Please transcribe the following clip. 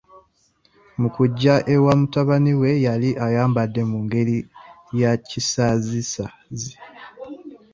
Mu kujja ewa mutabani we yali ayambadde mu ngeri ya kisaazisaazi.